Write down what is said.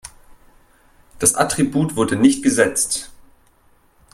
Das Attribut wurde nicht gesetzt.